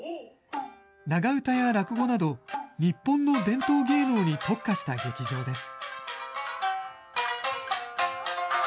長唄や落語など、日本の伝統芸能に特化した劇場です。